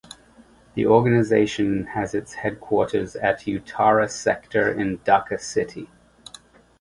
The organisation has its headquarters at Uttara sector in Dhaka City.